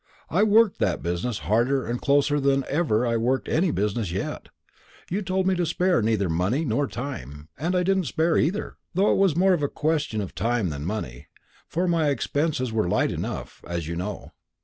I worked that business harder and closer than ever I worked any business yet. You told me to spare neither money nor time, and I didn't spare either; though it was more a question of time than money, for my expenses were light enough, as you know.